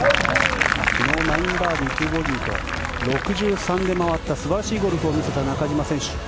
昨日９バーディー、２ボギーと６３で回った素晴らしいゴルフを見せた中島選手。